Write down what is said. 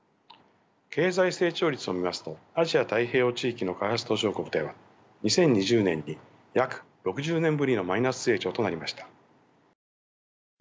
経済成長率を見ますとアジア・太平洋地域の開発途上国では２０２０年に約６０年ぶりのマイナス成長となりました。